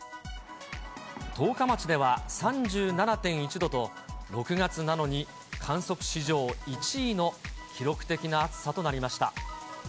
十日町では３７．１度と、６月なのに観測史上１位の記録的な暑さとなりました。